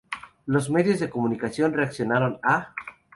Los medios de comunicación relacionaron a